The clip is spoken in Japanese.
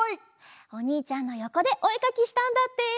おにいちゃんのよこでおえかきしたんだって。